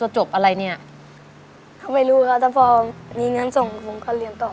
จบอะไรเนี่ยก็ไม่รู้ค่ะถ้าพอมีเงินส่งผมก็เรียนต่อ